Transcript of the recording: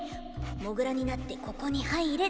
モグラになってここに入れ！